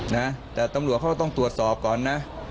นะแต่ตำรวจเขาก็ต้องตรวจสอบก่อนนะ